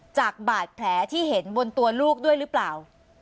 จากบาดแผลที่เห็นบนตัวลูกด้วยหรือเปล่า